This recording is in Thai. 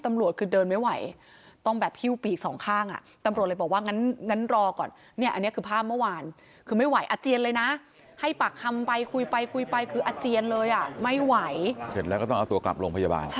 ตำรวจคือเดินไม่ไหวต้องแบบพิ้วปีกสองข้าง